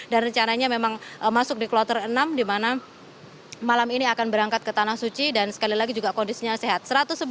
dan rencananya memang masuk di kloter enam di mana malam ini akan berangkat ke tanah suci dan sekali lagi juga kondisinya sehat